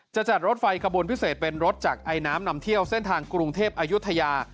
จะจัดรถไฟขบวนพิเศษเป็นรถจากไอน้ำนำเที่ยวเส้นทางกรุงเทพอายุทยา